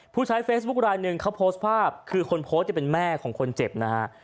ผู้ใช้เฟซบุ๊คลายหนึ่งเขาโพสต์ภาพคือคนโพสต์จะเป็นแม่ของคนเจ็บนะฮะ